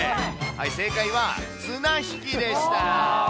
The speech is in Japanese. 正解は、綱引きでした。